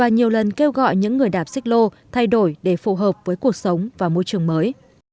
nhiều lần kêu gọi những người đạp xích lô thay đổi để phù hợp với cuộc sống và môi trường mới